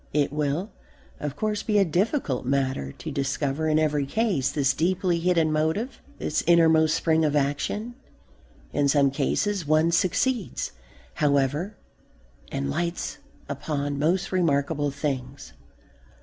It will, of course, be a difficult matter to discover in every case this deeply hidden motive, this innermost spring of action. In some cases one succeeds, however, and lights upon most remarkable things.